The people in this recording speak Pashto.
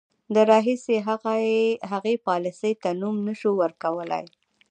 د راهیسې هغې پالیسۍ ته نوم نه شو ورکولای.